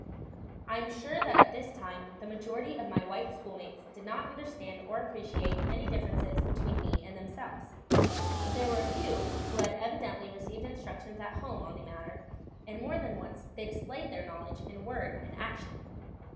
I am sure that at this time the majority of my white schoolmates did not understand or appreciate any differences between me and themselves; but there were a few who had evidently received instructions at home on the matter, and more than once they displayed their knowledge in word and action.